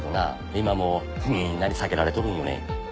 今もみんなに避けられとるんよね。